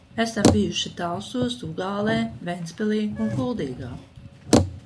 Esam bijuši Talsos, Ugālē, Ventspilī un Kuldīgā.